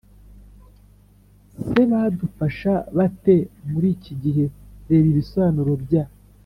se badufasha bate muri iki gihe Reba Ibisobanuro bya